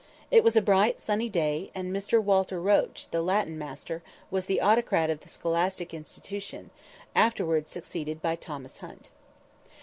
It was a bright, sunny day, and Mr. Walter Roche, the Latin master, was the autocrat of the scholastic institution, afterwards succeeded by Thomas Hunt.